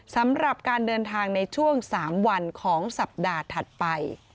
สำหรับการเดินทางในช่วง๓วันของสัปดาห์ถัดไป